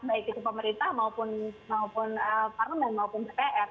baik itu pemerintah maupun maupun pemerintah